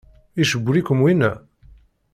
Icewwel-ikent winna?